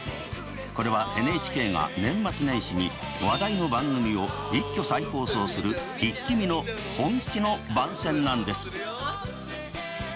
これはＮＨＫが年末年始に話題の番組を一挙再放送する「イッキ見！」の本気の番宣なんです。